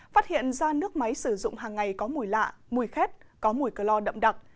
phát hiện ra nước máy sử dụng hàng ngày có mùi lạ mùi khét có mùi cờ lo đậm đặc